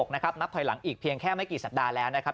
นับถอยหลังอีกเพียงแค่ไม่กี่สัปดาห์แล้วนะครับ